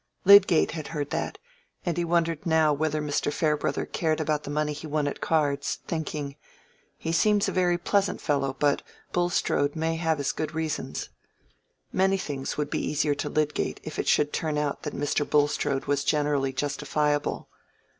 Lydgate had heard that, and he wondered now whether Mr. Farebrother cared about the money he won at cards; thinking, "He seems a very pleasant fellow, but Bulstrode may have his good reasons." Many things would be easier to Lydgate if it should turn out that Mr. Bulstrode was generally justifiable.